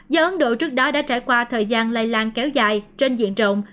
do ấn độ trước đó đã trải qua thời gian lây lan kéo dài trên diện rộng